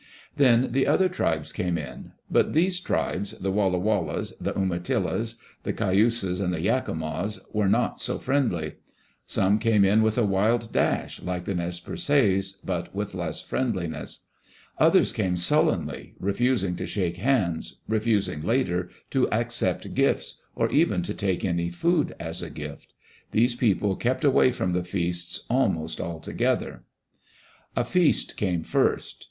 Then other tribes came in. But these tribes, the Walla Wallas, the Umatillas, the Cayuses, and the Yakimas, were not so friendly. Some came in with a wild dash, like the Nez Perces, but with less friendliness. Others came sul lenly, refusing to shake hands, refusing later to accept gifts, or even to take any food as a gift. These people kept away from the feasts almost altogether. A feast came first.